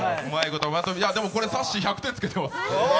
さっしー、１００点つけてます。